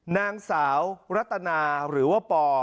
นางสาวรัตนาหรือว่าปอ